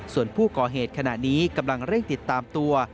ส่วนผู้ก่อเหตุขณะนี้กำลังเร่งติดตามตัว